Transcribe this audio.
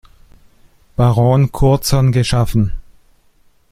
Baron Curzon geschaffen.